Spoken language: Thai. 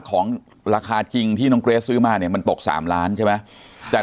ของราคาจริงที่น้องเกรสซื้อมาเนี่ยมันตก๓ล้านใช่ไหมแต่